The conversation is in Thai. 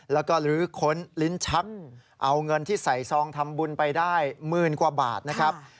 แล้วก็ลื้อค้นลิ้นชักเอาเงินที่ใส่ซองทำบุญไปได้หมื่นกว่าบาทนะครับ